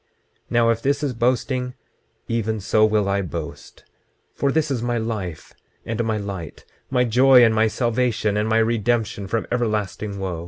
26:36 Now if this is boasting, even so will I boast; for this is my life and my light, my joy and my salvation, and my redemption from everlasting wo.